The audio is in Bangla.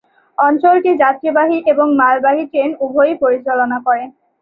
অঞ্চলটি যাত্রীবাহী এবং মালবাহী ট্রেন উভয়ই পরিচালনা করে।